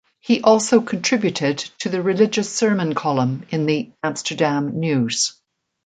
He also contributed to the religious sermon column in the "Amsterdam News".